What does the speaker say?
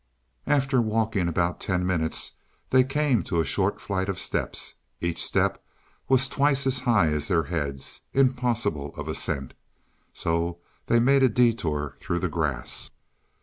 After walking about ten minutes they came to a short flight of steps. Each step was twice as high as their heads impossible of ascent so they made a detour through the grass.